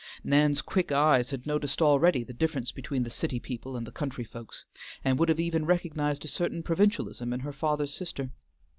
Nan's quick eyes had noticed already the difference between the city people and the country folks, and would have even recognized a certain provincialism in her father's sister.